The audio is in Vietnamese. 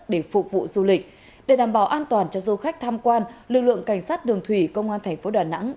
để phục vụ du lịch để đảm bảo an toàn cho du khách tham quan lực lượng cảnh sát đường thủy công an thành phố đà nẵng